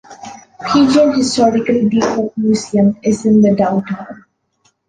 Pigeon Historical Depot Museum is in the downtown.